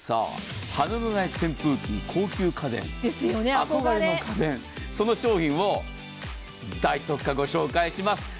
羽根のない扇風機、高級家電憧れの家電、その商品を大特価ご紹介します。